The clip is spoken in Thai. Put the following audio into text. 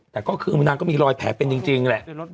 แต่ก็คือนางก็มีรอยแผลเป็นจริงแหละ